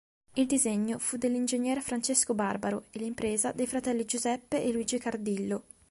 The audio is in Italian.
Il disegno fu dell’ingegner Francesco Barbaro e l’impresa dei fratelli Giuseppe e Luigi Cardillo.